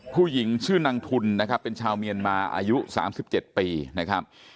ผู้หญิงชื่อนางทุนนะครับเป็นชาวเมียนมาอายุ๓๗ปีนะครับ